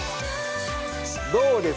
どうですか？